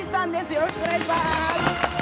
よろしくお願いします！